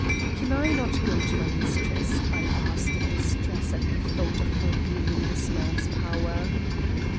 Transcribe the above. "'Can I not go to my mistress?' I asked, in distress at the thought of her being in this man's power.